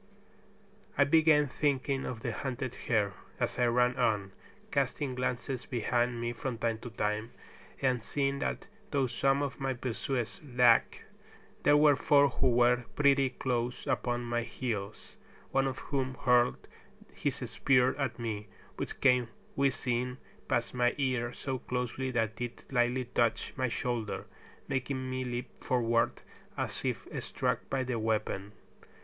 I began thinking of the hunted hare, as I ran on, casting glances behind me from time to time, and seeing that though some of my pursuers lagged, there were four who were pretty close upon my heels, one of whom hurled his spear at me, which came whizzing past my ear so closely that it lightly touched my shoulder, making me leap forward as if struck by the weapon.